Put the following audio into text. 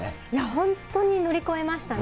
本当に乗り越えましたね。